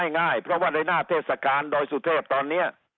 ง่ายเพราะว่าในหน้าเทศกาลดอยสุเทพตอนนี้